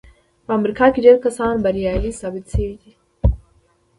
په امريکا کې ډېر کسان بريالي ثابت شوي دي.